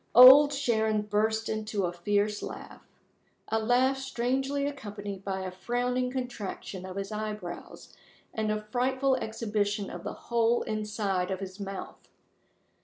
Old Sharon burst into a fierce laugh a laugh strangely accompanied by a frowning contraction of his eyebrows, and a frightful exhibition of the whole inside of his mouth.